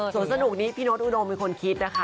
ส่วนสนุกนี้พี่โน๊ตอุดมเป็นคนคิดนะคะ